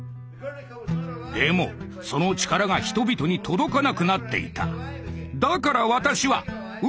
でもその力が人々に届かなくなっていた。